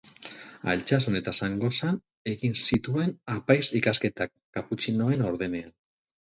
Altsasun eta Zangozan egin zituen apaiz ikasketak, kaputxinoen ordenan.